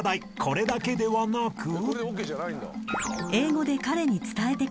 これだけではなく］